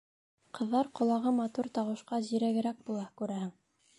Ҡыҙҙар ҡолағы матур тауышҡа зирәгерәк була, күрәһең.